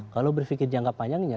kalau berpikir jangka panjangnya